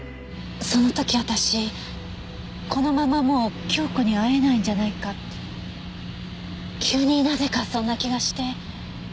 その時私このままもう京子に会えないんじゃないかって急になぜかそんな気がして。